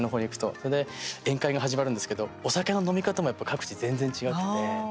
それで宴会が始まるんですけどお酒の飲み方も各地全然違くて。